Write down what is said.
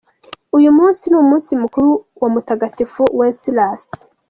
Uyu munsi ni umunsi mukuru wa Mutagatifu Wenceslas.